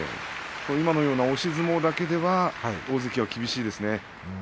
今のような押し相撲だけでは大関は厳しいですね。